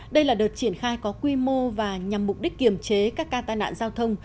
đây là đợt triển khai có quy mô và nhằm mục đích kiểm chế các ca tai nạn giao thông